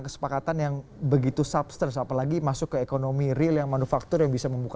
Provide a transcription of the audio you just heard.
kesepakatan yang begitu substance apalagi masuk ke ekonomi real yang manufaktur yang bisa membuka